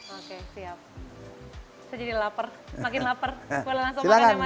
saya jadi lapar makin lapar